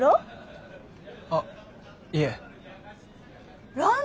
あっいえ。